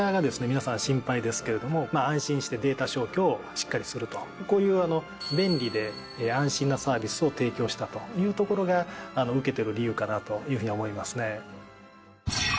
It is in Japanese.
皆さん心配ですけれどもまあ安心してデータ消去をしっかりするとこういう便利で安心なサービスを提供したというところが受けてる理由かなというふうに思いますね。